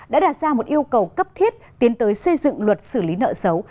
đã đạt ra một yêu cầu cấp thiết tiến tới xây dựng luật xử lý nợ xấu